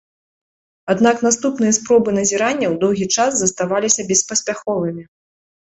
Аднак наступныя спробы назіранняў доўгі час заставаліся беспаспяховымі.